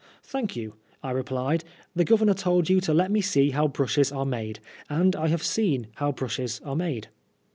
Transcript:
"Thank you," I replied; "the Governor told you to let me see how brushes are made, and I have seen how brushes are made."